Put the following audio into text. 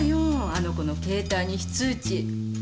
あの子の携帯に非通知。